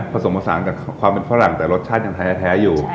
ผสมผสานกับความเป็นฝรั่งแต่รสชาติยังแท้อยู่